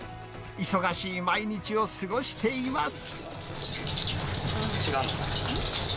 忙しい毎日を過ごしています。